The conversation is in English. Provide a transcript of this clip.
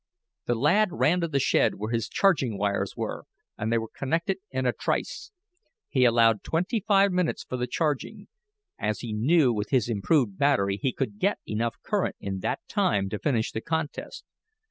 The lad ran to the shed where his charging wires were, and they were connected in a trice. He allowed twenty five minutes for the charging, as he knew with his improved battery he could get enough current in that time to finish the contest.